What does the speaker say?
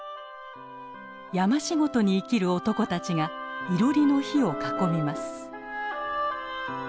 山仕事に生きる男たちがいろりの火を囲みます。